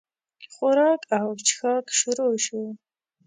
خوراک او چښاک شروع شو.